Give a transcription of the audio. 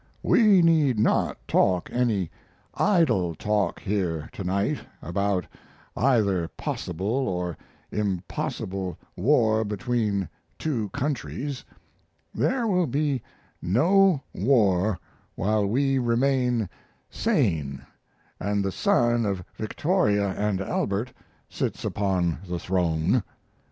We need not talk any idle talk here to night about either possible or impossible war between two countries; there will be no war while we remain sane and the son of Victoria and Albert sits upon the throne.